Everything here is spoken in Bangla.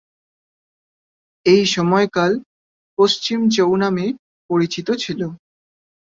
এই সময়কাল পশ্চিম চৌ নামে পরিচিত ছিল।